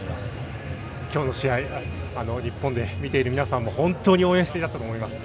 今日の試合、日本で見ている皆さんもホントに応援していたと思います。